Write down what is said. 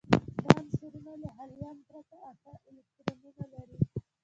دا عنصرونه له هیلیوم پرته اته الکترونونه لري.